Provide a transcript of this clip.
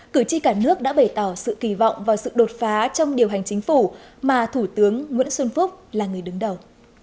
cử tri cả nước đã bày tỏ sự kỳ vọng vào sự đột phá trong điều hành chính phủ mà thủ tướng nguyễn xuân phúc là người đứng đầu